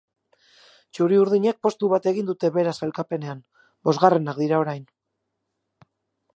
Txuri-urdinek postu bat egin dute behera sailkapenean, bosgarrenak dira orain.